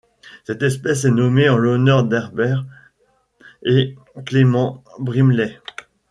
Cette espèce est nommée en l'honneur d'Herbert et Clement Brimley.